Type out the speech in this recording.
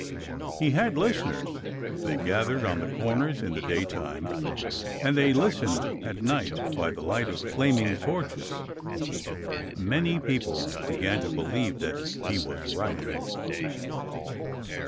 He had listeners. They gathered on the corners in the daytime, and they listened at night by the light of flaming torches. Many people began to believe that he was right.